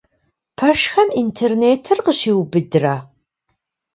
Пэшхэм интернетыр къыщиубыдрэ?